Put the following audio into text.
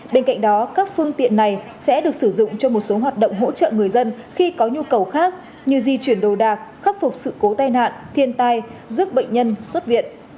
bên cạnh đó các phương tiện này sẽ được sử dụng cho một số hoạt động hỗ trợ người dân khi có nhu cầu khác như di chuyển đồ đạc khắc phục sự cố tai nạn thiên tai giúp bệnh nhân xuất viện